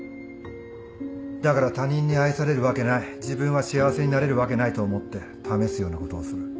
だから他人に愛されるわけない自分は幸せになれるわけないと思って試すようなことをする。